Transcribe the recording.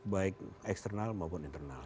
baik eksternal maupun internal